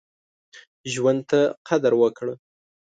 ژوند ته قدر وکړه.